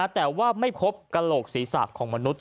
แต่ว่าไม่พบกระโหลกศีรษะของมนุษย